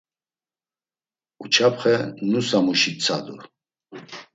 Uçapxe, nusamuşi tsadu.